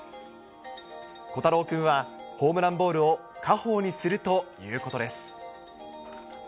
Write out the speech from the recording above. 虎太郎君はホームランボールを家宝にするということです。